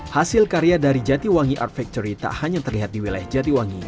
hasil karya dari jatiwangi art factory tak hanya terlihat di wilayah jatiwangi